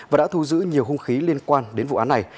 và đã thu giữ nhiều hung khí liên quan đến vụ án này